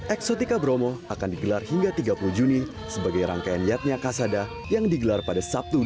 eksotika bromo akan digelar hingga tiga puluh juni sebagai rangkaian yatnya kasada yang digelar pada sabtu